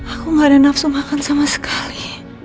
aku gak ada nafsu makan sama sekali